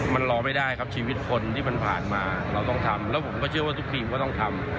มันรอไม่ได้ครับชีวิตคนที่มันผ่านมาเราต้องทำแล้วผมก็เชื่อว่าทุกทีมก็ต้องทำ